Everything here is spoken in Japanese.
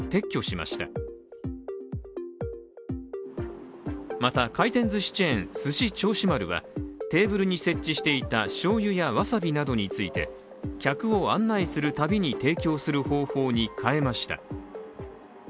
また、回転ずしチェーン、すし銚子丸はテーブルに設置していたしょうゆやわさびについて、客を案内するたびに、提供する方法に変えました。